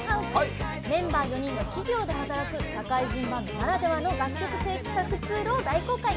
メンバー４人が企業で働く社会人バンドならではの楽曲制作ツールを大公開。